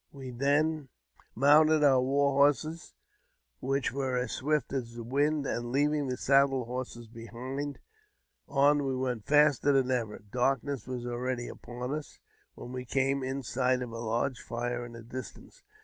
We then ( JAMES P. BEGKWOUBTH. 213 mounted our war horses, which were as swift as the wind, and leaving the saddle horses behind, on we went faster than ever Darkness was already upon us, when we came in sight of a large fire in the distance.